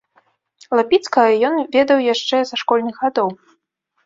Лапіцкага ён ведаў яшчэ са школьных гадоў.